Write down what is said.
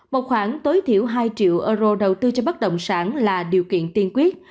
một khoảng tối thiểu hai triệu euro đầu tư cho bất động sản là điều kiện tiên quyết